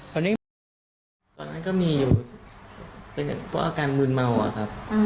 ตอนนี้มีตอนนั้นก็มีอยู่เป็นเพราะอาการมืนเมาอะครับ